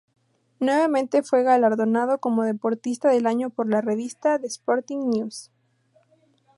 Nuevamente fue galardonado como deportista del año por la revista "The Sporting News".